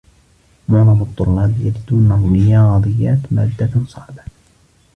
. معظم الطّلاب يجدون الرّياضيات مادّة صعبة